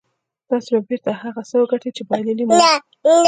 تاسې به بېرته هغه څه وګټئ چې بايللي مو وو.